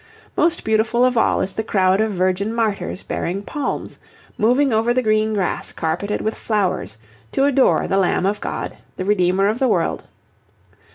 Most beautiful of all is the crowd of virgin martyrs bearing palms, moving over the green grass carpeted with flowers, to adore the Lamb of God, the Redeemer of the World.